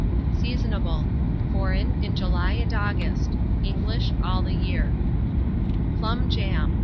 Seasonable. Foreign, in July and August; English, all the year. PLUM JAM.